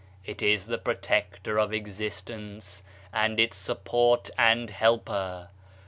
It is the protector of Existence, and its support and helper.